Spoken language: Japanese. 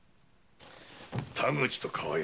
田口と川合め